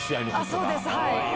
そうです。